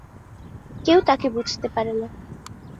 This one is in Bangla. কেউ তাকে বুঝতে পারে না।